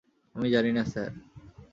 আমি জানি না স্যার!